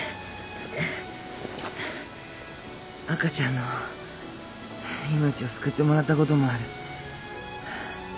赤ちゃんの命を救ってもらったこともある。